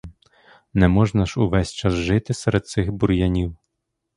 Не можна ж увесь час жити серед цих бур'янів.